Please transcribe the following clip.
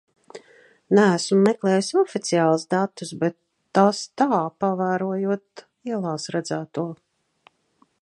Neesmu meklējusi oficiālus datus, bet tas tā, pavērojot ielās redzēto.